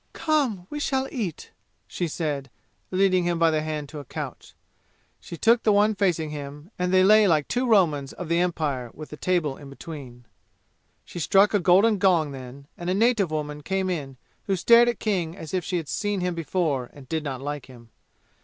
"Come, we shall eat!" she said, leading him by the hand to a couch. She took the one facing him, and they lay like two Romans of the Empire with the table in between. She struck a golden gong then, and a native woman came in who stared at King as if she had seen him before and did not like him.